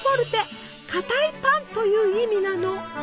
かたいパンという意味なの。